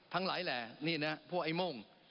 ทั้งหลายแหล่นี่นะพวกไอ้โม่ง